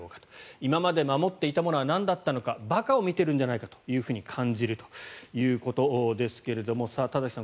今まで守っていたものはなんだったのか馬鹿を見ているんじゃないかと感じるということですが田崎さん